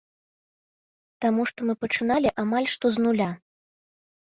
Таму што мы пачыналі амаль што з нуля.